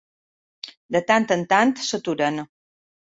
De tant en tant s'aturen.